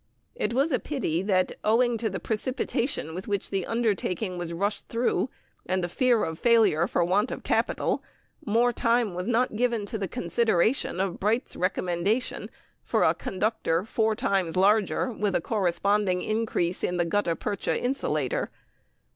It was a pity that owing to the precipitation with which the undertaking was rushed through, and the fear of failure for want of capital more time was not given to the consideration of Bright's recommendation for a conductor four times larger, with a corresponding increase in the gutta percha insulator.